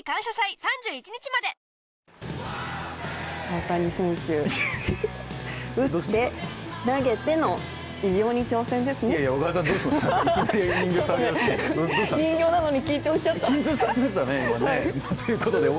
大谷選手、打って投げての偉業に挑戦ですね。